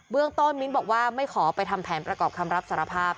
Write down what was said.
เรื่องต้นมิ้นบอกว่าไม่ขอไปทำแผนประกอบคำรับสารภาพ